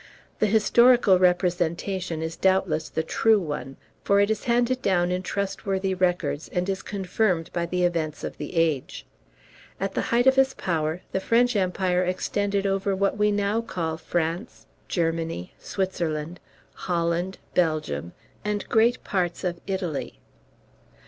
The historical representation is doubtless the true one, for it is handed down in trustworthy records, and is confirmed by the events of the age. At the height of his power, the French empire extended over what we now call France, Germany, Switzerland, Holland, Belgium, and great part of Italy.